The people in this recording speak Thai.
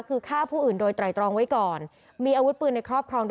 คือฆ่าผู้อื่นโดยตรายตรองไว้ก่อน